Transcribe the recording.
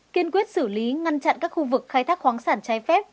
kiên quyết xử lý ngăn chặn các khu vực khai thác khoáng sản trái phép